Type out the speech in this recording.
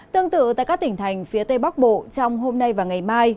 tương tự tại các tỉnh thành phía tây bắc bộ trong hôm nay và ngày mai